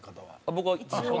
僕は。